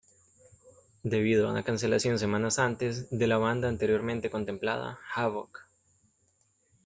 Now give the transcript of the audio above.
Debido a una cancelación semanas antes, de la banda anteriormente contemplada, Havok.